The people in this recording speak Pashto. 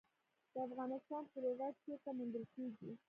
د افغانستان فلورایټ چیرته موندل کیږي؟